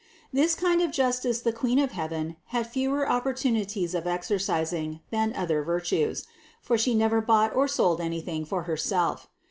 This kind of justice the Queen of heaven had fewer opportunities of exercising, than other virtues; for She never bought or sold anything for Her self.